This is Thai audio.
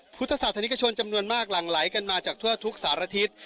พุทธศาสนิกชนจำนวนมากหลั่งไหลกันมาจากทั่วทุกสารทิศ